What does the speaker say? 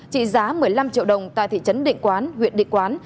trị giá một mươi năm triệu đồng tại thị trấn định quán huyện định quán